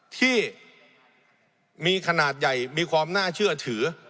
ที่มีขนาดใหญ่มีความน่าเชื่อถือ